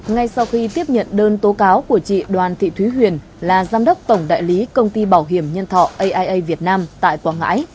ngay sau khi tiếp nhận đơn tố cáo của chị đoàn thị thúy huyền là giám đốc tổng đại lý công ty bảo hiểm nhân thọ aia việt nam tại quảng ngãi